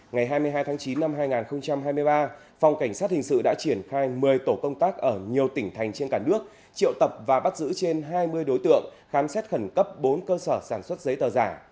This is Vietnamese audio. ngày hai mươi hai tháng chín năm hai nghìn hai mươi ba phòng cảnh sát hình sự đã triển khai một mươi tổ công tác ở nhiều tỉnh thành trên cả nước triệu tập và bắt giữ trên hai mươi đối tượng khám xét khẩn cấp bốn cơ sở sản xuất giấy tờ giả